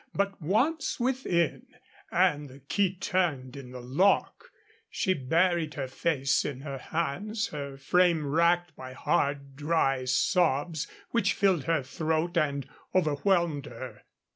But once within, and the key turned in the lock, she buried her face in her hands, her frame racked by hard, dry sobs which filled her throat and overwhelmed her.